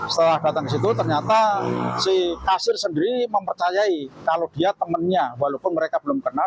setelah datang ke situ ternyata si kasir sendiri mempercayai kalau dia temannya walaupun mereka belum kenal